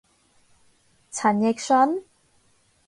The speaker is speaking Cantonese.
陳奕迅？